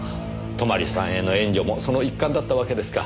泊さんへの援助もその一環だったわけですか。